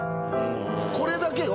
これだけよ。